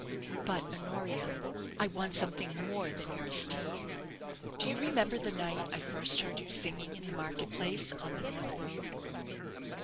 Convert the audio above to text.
"But, Honoria, I want something more than your esteem. Do you remember the night I first heard you singing in the market place on the north road?"